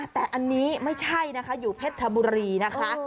แต่อันนี้ไม่ใช่นะคะอยู่เพชรชบุรีนะคะ